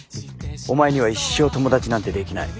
お前には一生友達なんてできない。